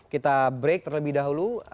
kita break terlebih dahulu